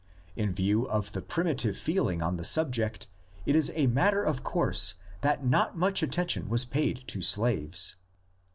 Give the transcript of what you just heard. In view of the primitive feeling on the subject it is a matter of course that not much atten tion was paid to slaves.